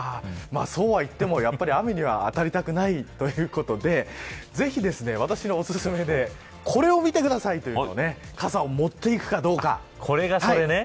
そうは言っても、雨には当たりくないということでぜひ私のおすすめでこれを見てくださいというのをこれがそれね。